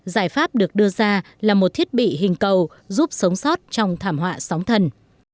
giải pháp được đưa ra là một thiết bị hình cầu giúp sống sót trong thảm họa sóng thần